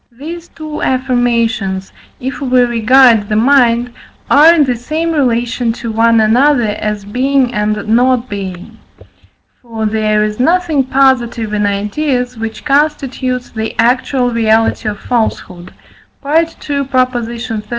These two affirmations, if we regard the mind, are in the same relation to one another as being and not being; for there is nothing positive in ideas, which constitutes the actual reality of falsehood (II. xxxv.